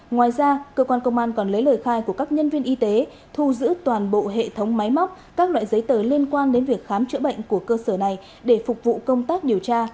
ngoài ra cơ quan công an còn lấy lời khai của các nhân viên y tế thu giữ toàn bộ hệ thống máy móc các loại giấy tờ liên quan đến việc khám chữa bệnh của cơ sở này để phục vụ công tác điều tra